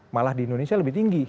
malah di indonesia lebih tinggi